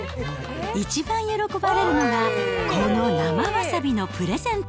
一番喜ばれるのが、この生わさびのプレゼント。